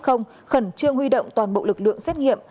khẩn trương huy động toàn bộ lực lượng xét nghiệm